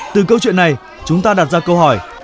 từ câu chuyện này chúng ta đặt ra câu hỏi